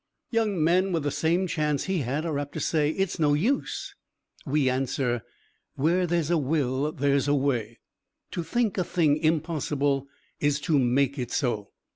Young men with the same chance he had are apt to say, "It's no use." We answer, "Where there's a will there's a way." "To think a thing impossible is to make it so."